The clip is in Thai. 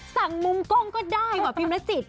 สั่งมุมกล้องก็ได้เหมือนฟิมนาจิต